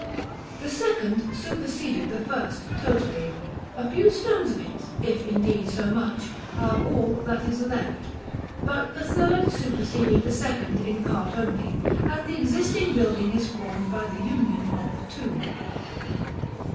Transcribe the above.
The second superseded the first totally; a few stones of it (if indeed so much) are all that is left. But the third superseded the second in part only, and the existing building is formed by the union of the two.